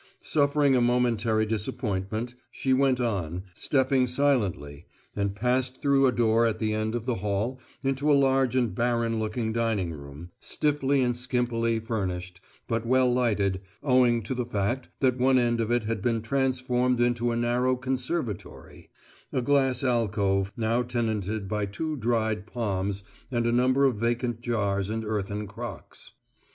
Suffering a momentary disappointment, she went on, stepping silently, and passed through a door at the end of the hall into a large and barren looking dining room, stiffly and skimpily furnished, but well lighted, owing to the fact that one end of it had been transformed into a narrow "conservatory," a glass alcove now tenanted by two dried palms and a number of vacant jars and earthen crocks.